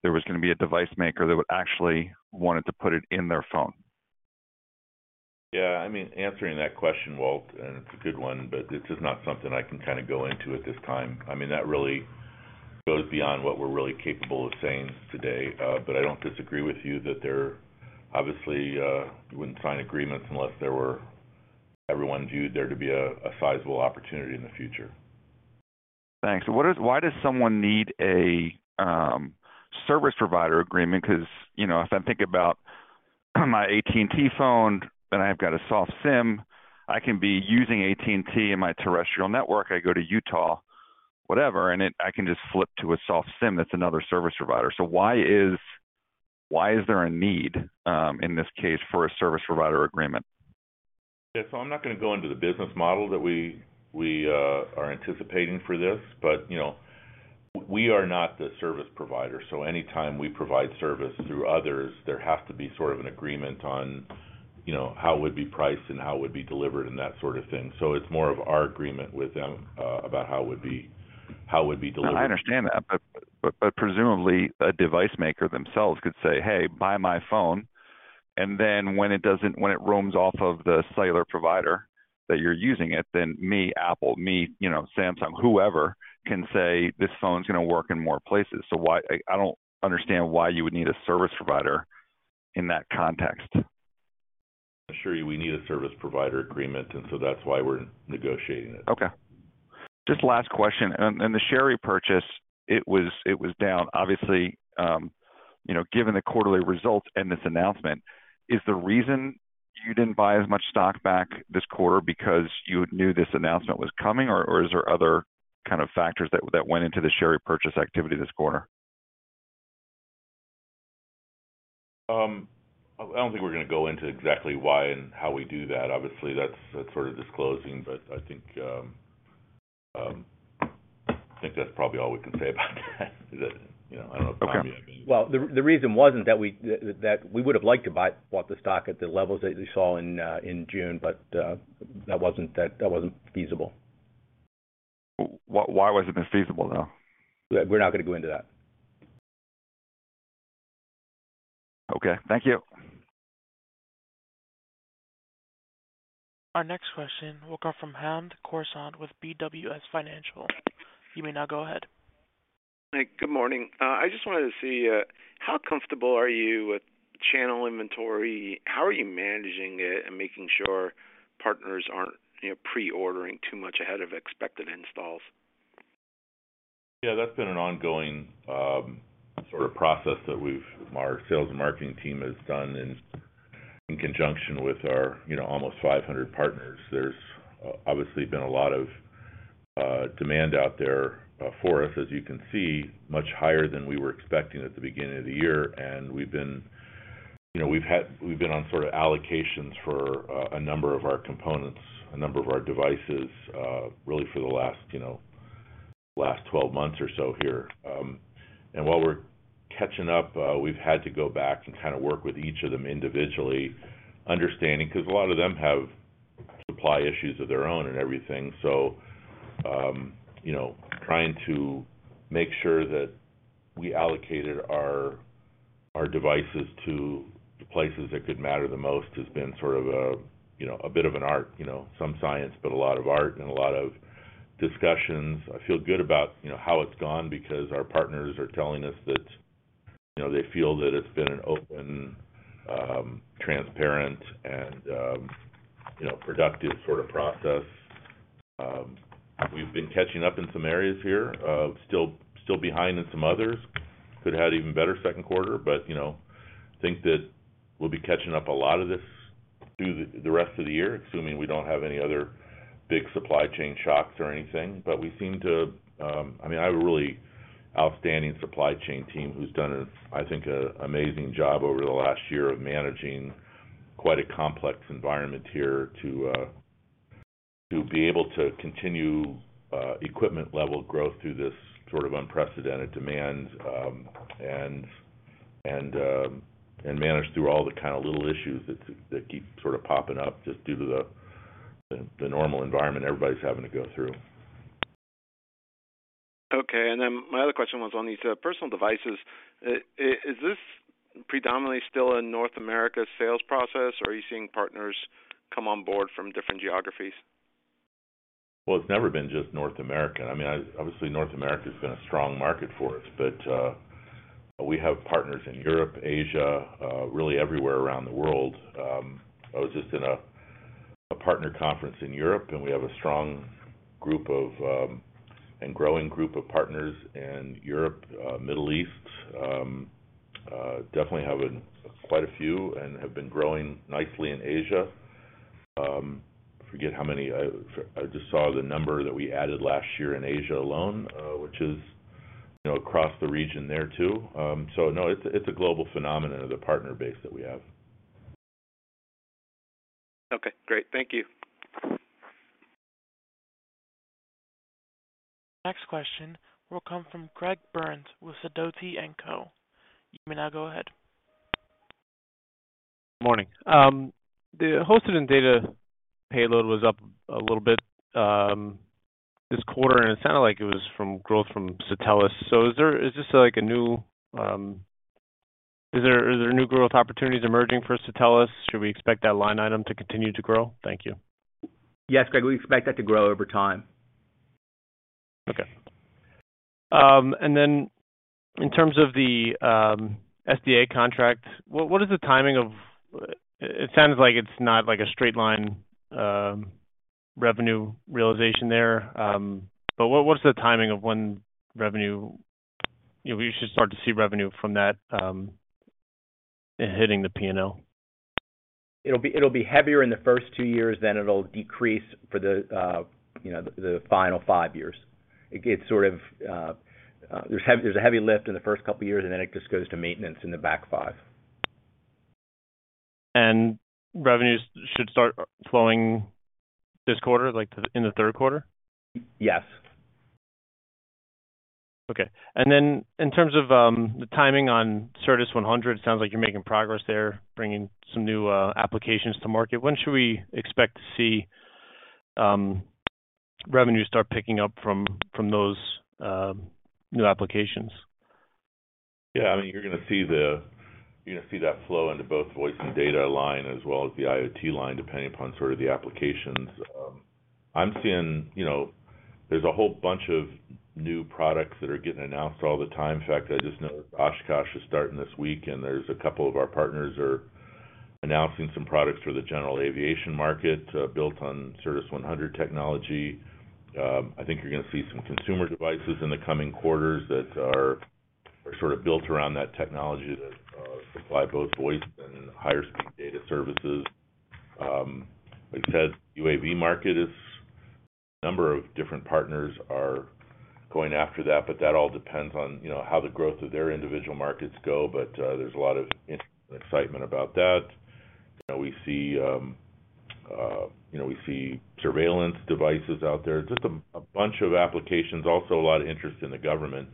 there was gonna be a device maker that would actually wanted to put it in their phone. Yeah. I mean, answering that question, Walt, and it's a good one, but this is not something I can kinda go into at this time- I mean, that really goes beyond what we're really capable of saying today. But I don't disagree with you that there obviously you wouldn't sign agreements unless there were everyone viewed there to be a sizable opportunity in the future. Thanks. Why does someone need a service provider agreement? 'Cause, you know, if I think about my AT&T phone, then I've got a soft SIM. I can be using AT&T in my terrestrial network. I go to Utah, whatever, and I can just flip to a soft SIM that's another service provider. So why is there a need in this case for a service provider agreement? I'm not gonna go into the business model that we are anticipating for this, but, you know, we are not the service provider, so anytime we provide service through others, there has to be sort of an agreement on, you know, how it would be priced and how it would be delivered and that sort of thing. It's more of our agreement with them, about how it would be delivered. No, I understand that. Presumably, a device maker themselves could say, "Hey, buy my phone," and then when it roams off of the cellular provider that you're using it, then me, Apple, me, you know, Samsung, whoever, can say, "This phone's gonna work in more places." I don't understand why you would need a service provider in that context. I assure you we need a service provider agreement, and so that's why we're negotiating it. Okay. Just last question. The share repurchase, it was down obviously, you know, given the quarterly results and this announcement, is the reason you didn't buy as much stock back this quarter because you knew this announcement was coming, or is there other kind of factors that went into the share repurchase activity this quarter? I don't think we're gonna go into exactly why and how we do that. Obviously that's sort of disclosing, but I think that's probably all we can say about that. That's, you know, I don't know if... Well, the reason wasn't that we would've liked to buy back the stock at the levels that you saw in June, but that wasn't feasible. Why wasn't it feasible, though? We're not gonna go into that. Okay. Thank you. Our next question will come from Hamed Khorsand with BWS Financial. You may now go ahead. Hey, good morning. I just wanted to see, how comfortable are you with channel inventory? How are you managing it and making sure partners aren't, you know, pre-ordering too much ahead of expected installs? Yeah, that's been an ongoing sort of process that our sales and marketing team has done in conjunction with our, you know, almost 500 partners. There's obviously been a lot of demand out there for us, as you can see, much higher than we were expecting at the beginning of the year, and we've been, you know, we've been on sort of allocations for a number of our components, a number of our devices, really for the last 12 months or so here. While we're catching up, we've had to go back and kinda work with each of them individually, understanding 'cause a lot of them have supply issues of their own and everything. You know, trying to make sure that we allocated our devices to the places that could matter the most has been sort of a, you know, a bit of an art, you know, some science, but a lot of art and a lot of discussions. I feel good about, you know, how it's gone because our partners are telling us that, you know, they feel that it's been an open, transparent and, you know, productive sort of process. We've been catching up in some areas here, still behind in some others. Could've had an even better second quarter, but, you know, I think that we'll be catching up a lot of this through the rest of the year, assuming we don't have any other big supply chain shocks or anything. But we seem to- I mean, I have a really outstanding supply chain team who's done, I think, an amazing job over the last year of managing quite a complex environment here to be able to continue equipment-level growth through this sort of unprecedented demand, and manage through all the kinda little issues that keep sort of popping up just due to the normal environment everybody's having to go through. Okay. My other question was on these personal devices. Is this predominantly still a North America sales process, or are you seeing partners come on board from different geographies? Well, it's never been just North America. I mean, obviously North America's been a strong market for us, but we have partners in Europe, Asia, really everywhere around the world. I was just in a partner conference in Europe, and we have a strong and growing group of partners in Europe, Middle East. We definitely have quite a few and have been growing nicely in Asia. I forget how many. I just saw the number that we added last year in Asia alone, which is, you know, across the region there, too. No, it's a global phenomenon of the partner base that we have. Okay, great. Thank you. Next question will come from Gregory Burns with Sidoti & Co. You may now go ahead. Morning. The hosted and data payload was up a little bit, this quarter, and it sounded like it was from growth from Satelles. Is this, like, a new. Is there new growth opportunities emerging for Satelles? Should we expect that line item to continue to grow? Thank you. Yes, Greg, we expect that to grow over time. Okay. In terms of the SDA contract, it sounds like it's not like a straight line revenue realization there, but what's the timing of when revenue, you know, we should start to see revenue from that hitting the P&L. It'll be heavier in the first two years, then it'll decrease for the final five years. There's a heavy lift in the first couple of years, and then it just goes to maintenance in the back five. Revenues should start flowing this quarter, like, in the third quarter? Yes. Okay. In terms of the timing on Certus 100, it sounds like you're making progress there, bringing some new applications to market. When should we expect to see revenues start picking up from those new applications? Yeah, I mean, you're gonna see that flow into both voice and data line as well as the IoT line, depending upon sort of the applications. I'm seeing, you know, there's a whole bunch of new products that are getting announced all the time. In fact, I just know that Oshkosh is starting this week, and there's a couple of our partners are announcing some products for the general aviation market, built on Certus 100 technology. I think you're gonna see some consumer devices in the coming quarters that are sort of built around that technology that supply both voice and higher speed data services. Like I said, UAV market is a number of different partners are going after that, but that all depends on, you know, how the growth of their individual markets go. There's a lot of excitement about that. You know, we see surveillance devices out there. Just a bunch of applications. Also a lot of interest in the government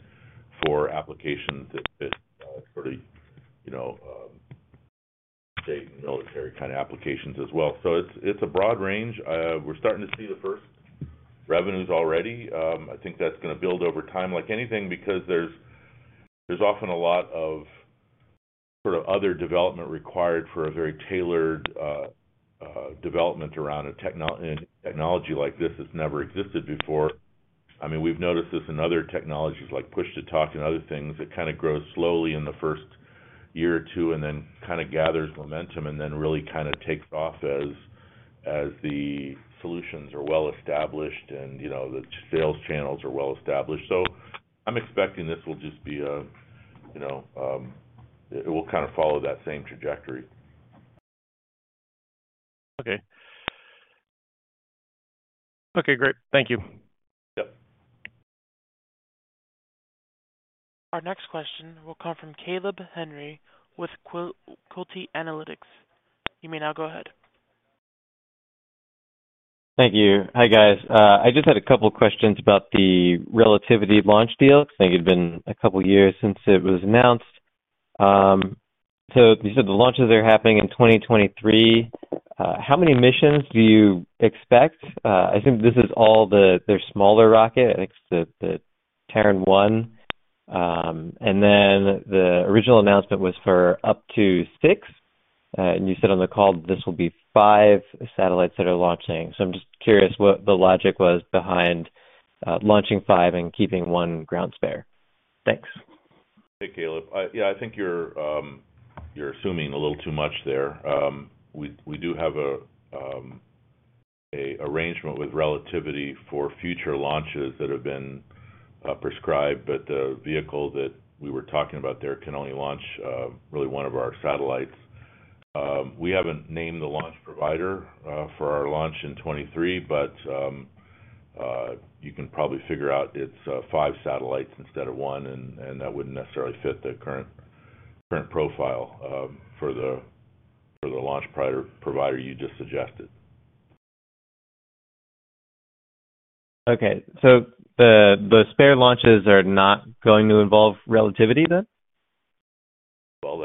for applications that fit sort of, you know, state and military kind of applications as well. It's a broad range. We're starting to see the first revenues already. I think that's gonna build over time like anything because there's often a lot of sort of other development required for a very tailored development around a technology like this that's never existed before. I mean, we've noticed this in other technologies like Push-to-Talk and other things. It kind of grows slowly in the first year or two and then kind of gathers momentum and then really kind of takes off as the solutions are well established and, you know, the sales channels are well established. I'm expecting this will just be a, you know, it will kind of follow that same trajectory. Okay. Okay, great. Thank you. Yep. Our next question will come from Caleb Henry with Quilty Analytics. You may now go ahead. Thank you. Hi, guys. I just had a couple questions about the Relativity launch deal. I think it's been a couple years since it was announced. You said the launches are happening in 2023. How many missions do you expect? I think this is their smaller rocket. I think it's the Terran 1. The original announcement was for up to six. You said on the call this will be five satellites that are launching. I'm just curious what the logic was behind launching five and keeping one ground spare. Thanks. Hey, Caleb. Yeah, I think you're assuming a little too much there. We do have a arrangement with Relativity for future launches that have been prescribed, but the vehicle that we were talking about there can only launch really one of our satellites. We haven't named the launch provider for our launch in 2023, but you can probably figure out it's five satellites instead of one, and that wouldn't necessarily fit the current profile for the launch provider you just suggested. Okay. The spare launches are not going to involve Relativity then? Well,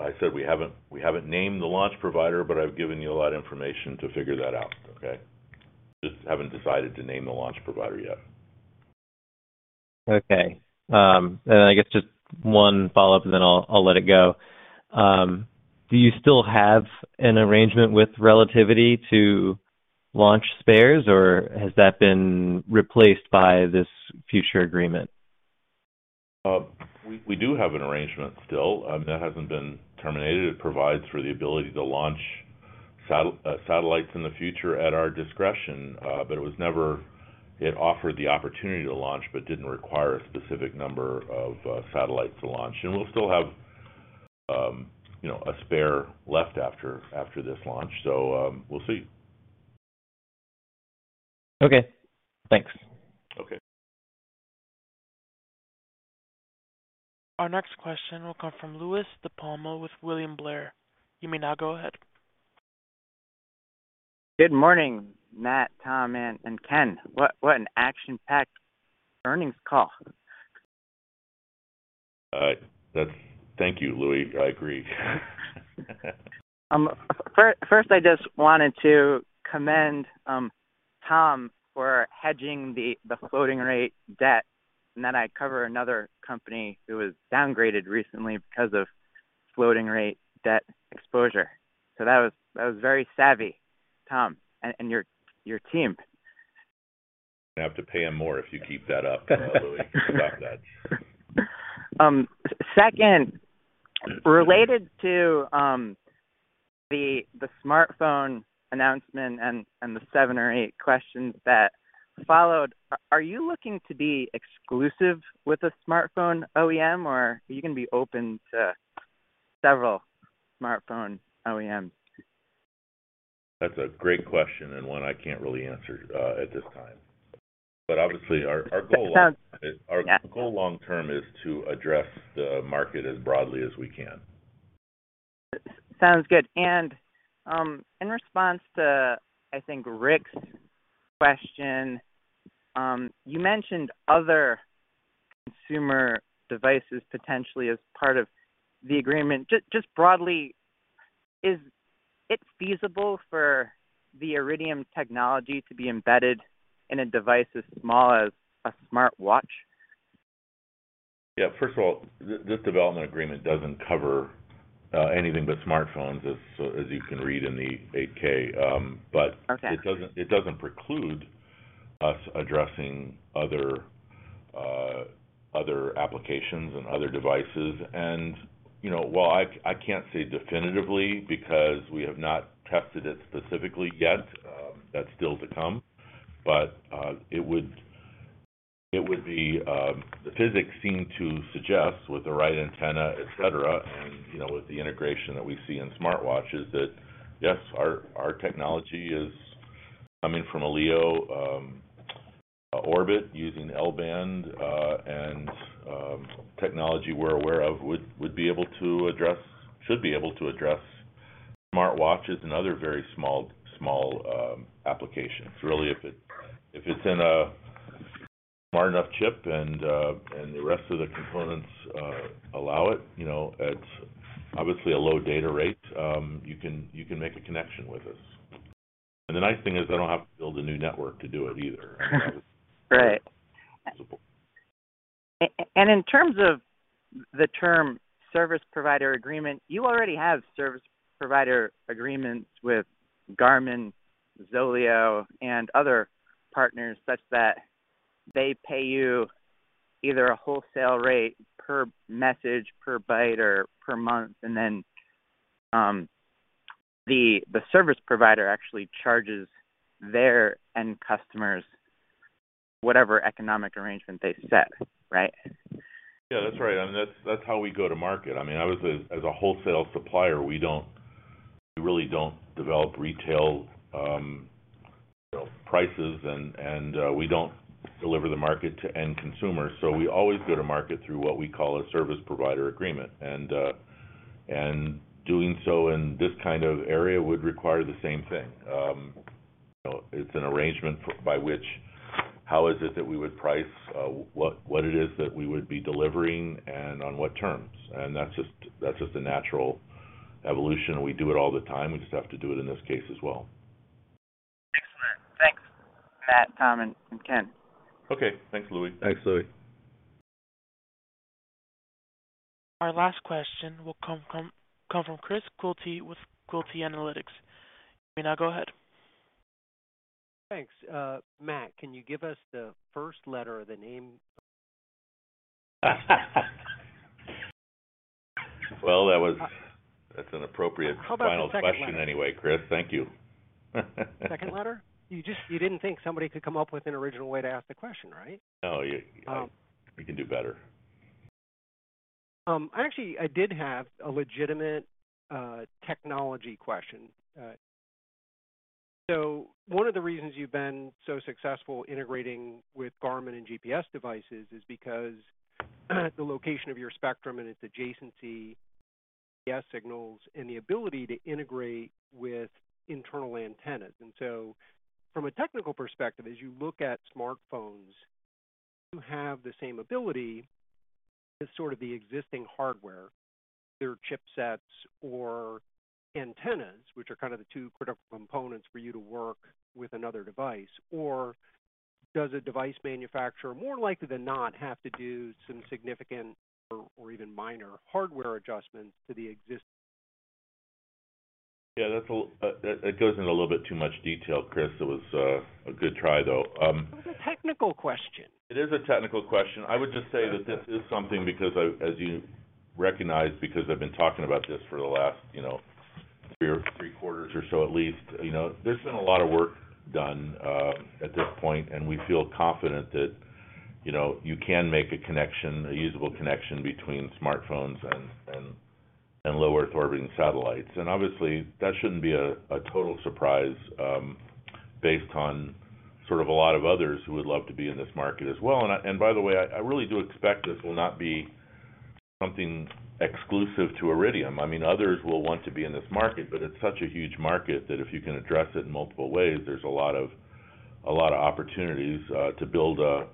I said we haven't named the launch provider, but I've given you a lot of information to figure that out. Okay? Just haven't decided to name the launch provider yet. Okay. I guess just one follow-up, and then I'll let it go. Do you still have an arrangement with Relativity to launch spares, or has that been replaced by this future agreement? We do have an arrangement still that hasn't been terminated. It provides for the ability to launch satellites in the future at our discretion, but it was never- it offered the opportunity to launch but didn't require a specific number of satellites to launch. We'll still have, you know, a spare left after this launch. We'll see. Okay. Thanks. Okay. Our next question will come from Louie DiPalma with William Blair. You may now go ahead. Good morning, Matt, Tom, and Ken. What an action-packed earnings call. Thank you, Louie. I agree. First, I just wanted to commend Tom for hedging the floating rate debt, and then I cover another company who was downgraded recently because of floating rate debt exposure. That was very savvy, Tom, and your team. I've have to pay him more if you keep that up, Louie. Stop that. Second, related to the smartphone announcement and the seven or eight questions that followed, are you looking to be exclusive with a smartphone OEM, or are you gonna be open to several smartphone OEMs? That's a great question, and one I can't really answer at this time. Obviously our goal long- our goal long term is to address the market as broadly as we can. Sounds good. In response to, I think, Ric's question, you mentioned other consumer devices potentially as part of the agreement. Just broadly, is it feasible for the Iridium technology to be embedded in a device as small as a smartwatch? Yeah. First of all, this development agreement doesn't cover anything but smartphones, as you can read in the 8-K, but... Okay. ...it doesn't preclude us addressing other applications and other devices. You know, while I can't say definitively because we have not tested it specifically yet, that's still to come. It would be the physics seem to suggest with the right antenna, et cetera, and, you know, with the integration that we see in smartwatches, that yes, our technology is coming from a LEO orbit, using L-band, and technology we're aware of would be able to address smartwatches and other very small applications. Really, if it's in a smart enough chip and the rest of the components allow it, you know, at obviously a low data rate, you can make a connection with us. The nice thing is they don't have to build a new network to do it either. Right. In terms of the term service provider agreement, you already have service provider agreements with Garmin, ZOLEO and other partners such that they pay you either a wholesale rate per message, per byte or per month, and then, the service provider actually charges their end customers whatever economic arrangement they set, right? Yeah, that's right. I mean, that's how we go to market. I mean, obviously as a wholesale supplier, we don't, we really don't develop retail, you know, prices and we don't deliver the market to end consumers. We always go to market through what we call a service provider agreement. Doing so in this kind of area would require the same thing. You know, it's an arrangement by which how is it that we would price what it is that we would be delivering and on what terms? That's just the natural evolution. We do it all the time. We just have to do it in this case as well. Excellent. Thanks, Matt, Tom, and Ken. Okay. Thanks, Louie. Thanks, Louie. Our last question will come from Chris Quilty with Quilty Analytics. You may now go ahead. Thanks. Matt, can you give us the first letter of the name? That's an appropriate final question anyway. How about the second letter? Chris, thank you. Second letter? You just didn't think somebody could come up with an original way to ask the question, right? No, you can do better. Actually, I did have a legitimate technology question. One of the reasons you've been so successful integrating with Garmin and GPS devices is because the location of your spectrum and its adjacency to GPS signals and the ability to integrate with internal antennas. From a technical perspective, as you look at smartphones to have the same ability as sort of the existing hardware, their chipsets or antennas, which are kind of the two critical components for you to work with another device, or does a device manufacturer more likely than not have to do some significant or even minor hardware adjustments to the existing? Yeah, that goes into a little bit too much detail, Chris. It was a good try, though. It was a technical question. It is a technical question. I would just say that this is something because, as you recognize, because I've been talking about this for the last, you know, three quarters or so at least, you know. There's been a lot of work done at this point, and we feel confident that, you know, you can make a connection, a usable connection between smartphones and low-Earth-orbiting satellites. Obviously, that shouldn't be a total surprise based on sort of a lot of others who would love to be in this market as well. By the way, I really do expect this will not be something exclusive to Iridium. I mean, others will want to be in this market, but it's such a huge market that if you can address it in multiple ways, there's a lot of opportunities to build a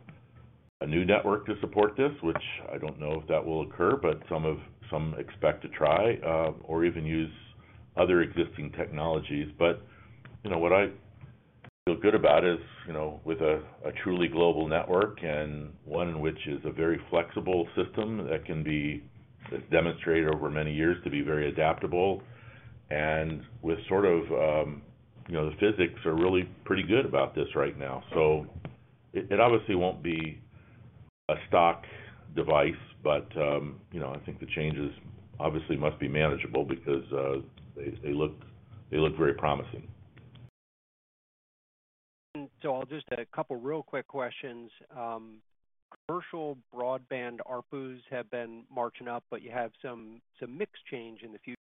new network to support this, which I don't know if that will occur, but some expect to try or even use other existing technologies. You know, what I feel good about is, you know, with a truly global network and one in which is a very flexible system that's demonstrated over many years to be very adaptable and with sort of, you know, the physics are really pretty good about this right now. It obviously won't be a stuck device, but, you know, I think the changes obviously must be manageable because they look very promising. I'll just ask a couple real quick questions. Commercial broadband ARPU has been marching up, but you have some mix change in the future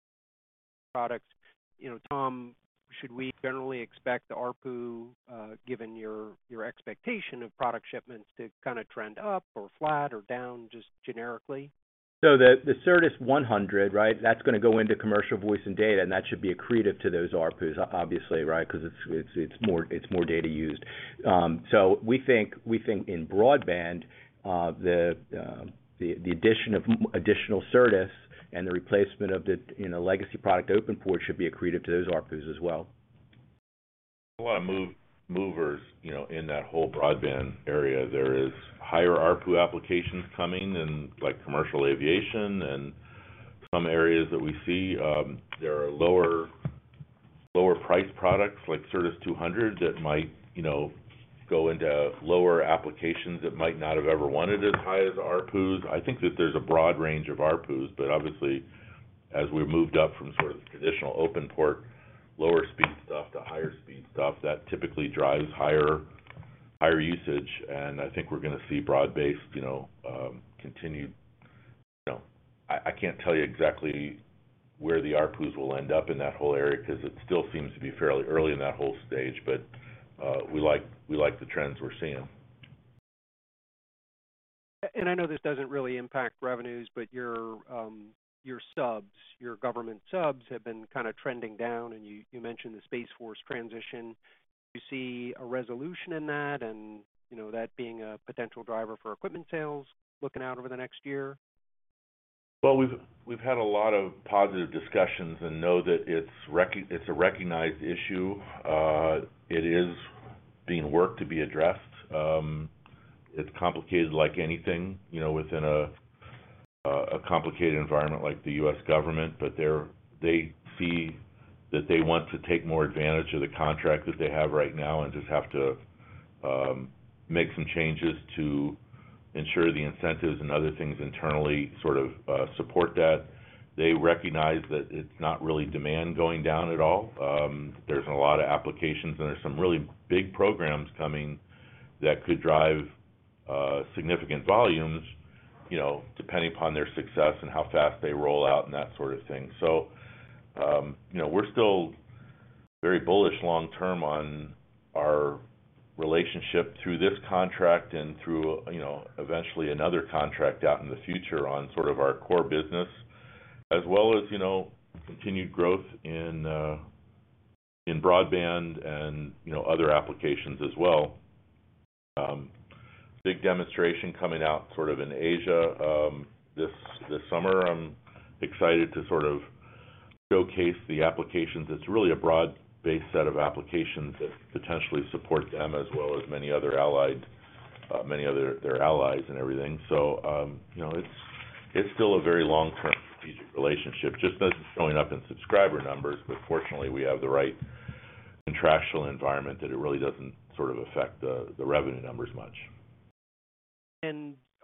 products. You know, Tom, should we generally expect the ARPU, given your expectation of product shipments to kind of trend up or flat or down, just generically? The Certus 100, right? That's gonna go into commercial voice and data, and that should be accretive to those ARPUs obviously, right? Because it's more data used. We think in Broadband, the addition of additional Certus and the replacement of the, you know, legacy product OpenPort should be accretive to those ARPUs as well. A lot of movers, you know, in that whole Broadband area. There is higher ARPU applications coming in, like commercial aviation and some areas that we see, there are lower priced products like Certus 200 that might, you know, go into lower applications that might not have ever wanted as high as ARPU. I think that there's a broad range of ARPUs, but obviously as we've moved up from sort of the traditional OpenPort lower speed stuff to higher speed stuff, that typically drives higher usage. I think we're gonna see broad-based, you know, continued, you know. I can't tell you exactly where the ARPUs will end up in that whole area, because it still seems to be fairly early in that whole stage. We like the trends we're seeing. I know this doesn't really impact revenues, but your subs, your government subs have been kinda trending down, and you mentioned the Space Force transition. Do you see a resolution in that and, you know, that being a potential driver for equipment sales looking out over the next year? Well, we've had a lot of positive discussions and know that it's a recognized issue. It is being worked to be addressed. It's complicated like anything, you know, within a complicated environment like the U.S. government. They see that they want to take more advantage of the contract that they have right now and just have to make some changes to ensure the incentives and other things internally sort of support that. They recognize that it's not really demand going down at all. There's a lot of applications and there's some really big programs coming that could drive significant volumes, you know, depending upon their success and how fast they roll out and that sort of thing. You know, we're still very bullish long term on our relationship through this contract and through, you know, eventually another contract out in the future on sort of our core business as well as, you know, continued growth in Broadband and, you know, other applications as well. Big demonstration coming out sort of in Asia this summer. I'm excited to sort of showcase the applications. It's really a broad-based set of applications that potentially support them as well as many other allies and everything. You know, it's still a very long-term strategic relationship, just not showing up in subscriber numbers. But fortunately, we have the right contractual environment that it really doesn't sort of affect the revenue numbers much.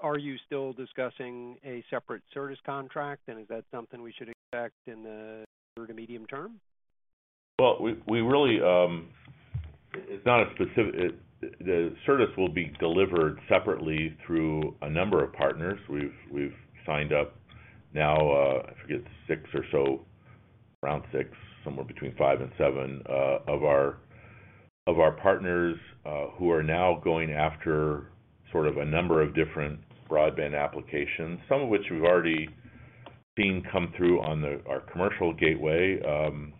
Are you still discussing a separate service contract, and is that something we should expect in the short to medium term? We really. It's not a specific. It, the service will be delivered separately through a number of partners. We've signed up now- I forget, six or so, around six, somewhere between five and seven, of our partners, who are now going after sort of a number of different Broadband applications, some of which we've already seen come through on our commercial gateway.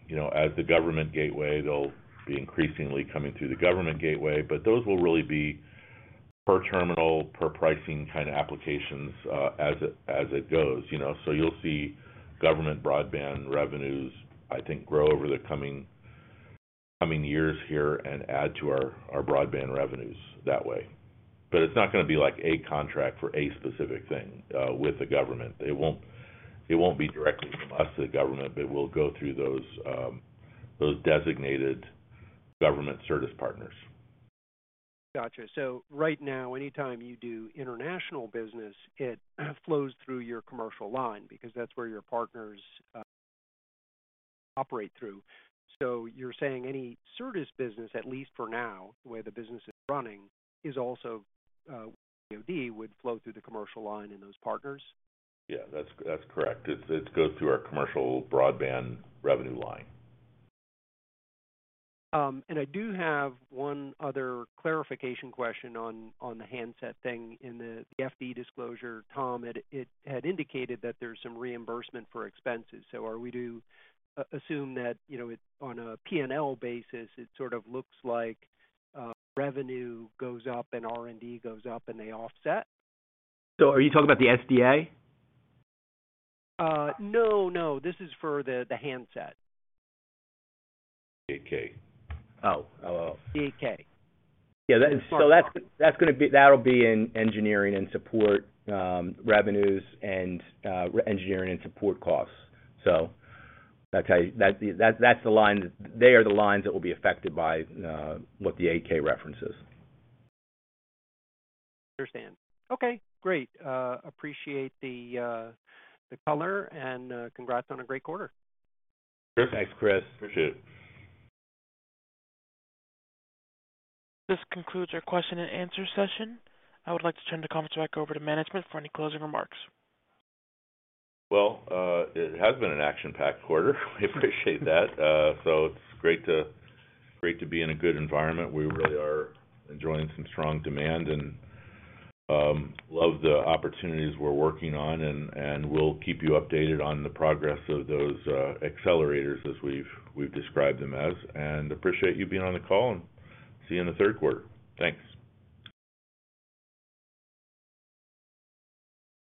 You know, as the government gateway, they'll be increasingly coming through the government gateway. But those will really be per terminal, per pricing kind of applications, as it goes, you know. You'll see government broadband revenues, I think grow over the coming years here and add to our Broadband revenues that way. But it's not gonna be like a contract for a specific thing with the government. It won't be directly from us to the government, but we'll go through those designated government service partners. Gotcha. Right now, anytime you do international business, it flows through your commercial line because that's where your partners operate through. You're saying any service business, at least for now, the way the business is running, is also DoD would flow through the commercial line and those partners? Yeah, that's correct. It goes through our commercial broadband revenue line. I do have one other clarification question on the handset thing. In the 8-K disclosure, it had indicated that there's some reimbursement for expenses. Are we to assume that it's on a P&L basis, it sort of looks like revenue goes up and R&D goes up and they offset? Are you talking about the SDA? No, this is for the handset. The 8-K. Oh. Oh, oh. The 8-K. That's gonna be. That'll be in engineering and support revenues and engineering and support costs. That's the line. They are the lines that will be affected by what the 8-K references. Understand. Okay, great. Appreciate the color and congrats on a great quarter. Sure. Thanks, Chris. Appreciate it. This concludes our question and answer session. I would like to turn the conference back over to management for any closing remarks. It has been an action-packed quarter. We appreciate that. It's great to be in a good environment. We really are enjoying some strong demand and love the opportunities we're working on and we'll keep you updated on the progress of those accelerators as we've described them as. Appreciate you being on the call and see you in the third quarter. Thanks.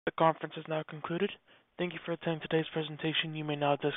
The conference has now concluded. Thank you for attending today's presentation. You may now disconnect.